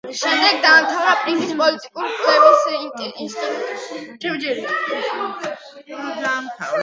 შემდეგ დაამთავრა პარიზის პოლიტიკური კვლევების ინსტიტუტი.